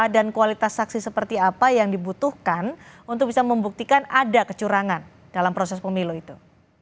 dan kualitas saksi seperti apa yang dibutuhkan untuk bisa membuktikan ada kecurangan dalam proses pemilu itu